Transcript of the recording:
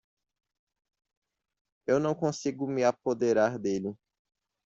Eu não consigo me apoderar dele.